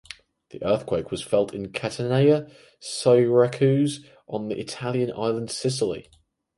The earthquake was felt in Catania and Syracuse on the Italian island Sicily.